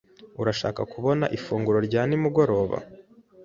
Urashaka kubona ifunguro rya nimugoroba?